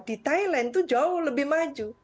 di thailand itu jauh lebih maju